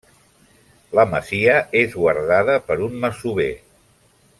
La masia és guardada per un masover.